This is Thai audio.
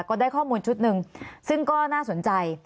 ก็ได้ข้อมูลชุดหนึ่งซึ่งก็น่าสนใจ